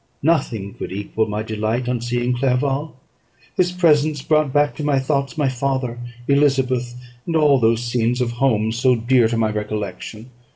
Nothing could equal my delight on seeing Clerval; his presence brought back to my thoughts my father, Elizabeth, and all those scenes of home so dear to my recollection.